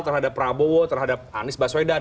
terhadap prabowo terhadap anies baswedan